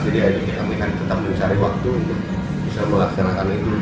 jadi kami tetap mencari waktu untuk bisa melaksanakan itu